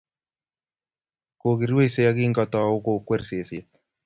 Kokirwaise yekingotau kokwor seset